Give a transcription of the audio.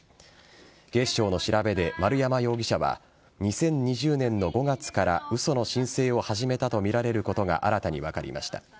警視庁の調べで丸山容疑者は２０２０年の５月から嘘の申請を始めたとみられることが新たに分かりました。